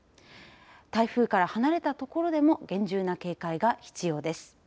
台風から離れたところでも厳重な警戒が必要です。